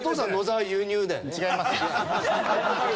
違いますよ。